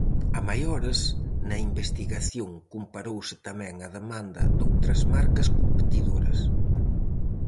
A maiores, na investigación comparouse tamén a demanda doutras marcas competidoras.